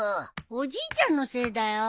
おじいちゃんのせいだよ！